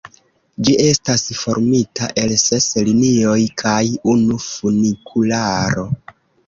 Ĝi estas formita el ses linioj kaj unu funikularo.